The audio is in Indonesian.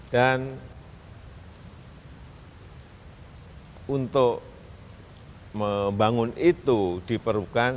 dan untuk membangun itu diperlukan